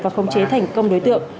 và không chế thành công đối tượng